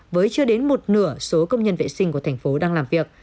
với chưa đến một nửa số công nhân vệ sinh của thành phố đang làm việc